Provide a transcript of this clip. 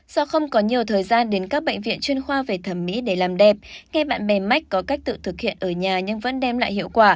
do không có nhiều thời gian đến các bệnh viện chuyên khoa về thẩm mỹ để làm đẹp nghe bạn bè mách có cách tự thực hiện ở nhà nhưng vẫn đem lại hiệu quả